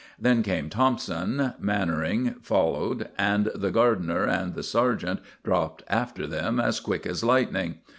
Then came Thompson, Mannering followed, and the gardener and the sergeant dropped after them as quick as lightning.